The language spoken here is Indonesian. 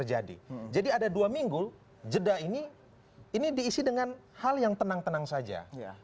jadi ada dua minggu jeda ini diisi dengan hal yang tenang tenang saja